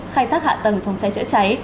khai thác hạ tầng phòng cháy chữa cháy